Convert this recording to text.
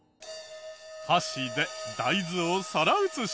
箸で大豆を皿移し。